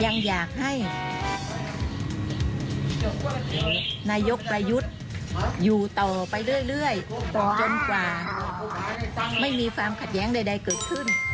ยังอยากให้นายกประยุทธ์อยู่ต่อไปเรื่อยจนกว่าไม่มีความขัดแย้งใดเกิดขึ้น